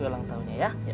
selamat pada umur